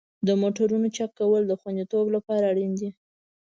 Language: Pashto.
د موټرو چک کول د خوندیتوب لپاره اړین دي.